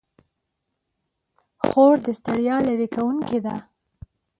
خور د ستړیا لیرې کوونکې ده.